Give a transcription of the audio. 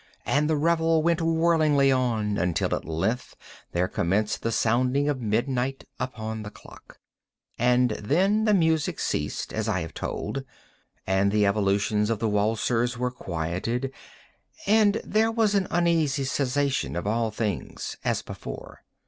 And the revel went whirlingly on, until at length there commenced the sounding of midnight upon the clock. And then the music ceased, as I have told; and the evolutions of the waltzers were quieted; and there was an uneasy cessation of all things as before.